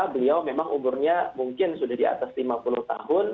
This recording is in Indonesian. beliau memang umurnya mungkin sudah di atas lima puluh tahun